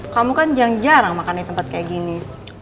kamu kan jarang makan di tempat kayak gini